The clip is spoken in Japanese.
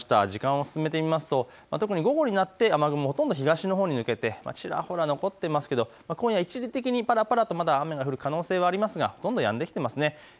時間を進めてみますと特に午後になって雨雲、ほとんど東に抜けてちらほら残っていますが今夜一時的にぱらぱらと雨が降る可能性がありますが、ほとんどやんできてますね。